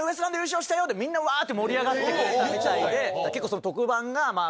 みんなわって盛り上がってくれたみたいで結構その特番が。